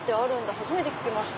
初めて聞きました。